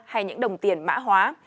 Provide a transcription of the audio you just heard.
hay những đồng tiền mã hóa